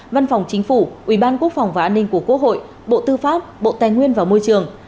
văn phòng chính phủ ubndqh bộ tư pháp bộ tài nguyên và môi trường